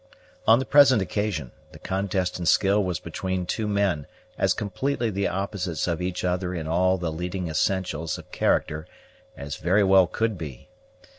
On the present occasion, the contest in skill was between two men as completely the opposites of each other in all the leading essentials of character as very well could be.